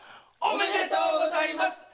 おめでとうございます！